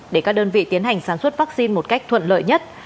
để các đơn vị tiến hành sản xuất vaccine một cách thuận lợi nhất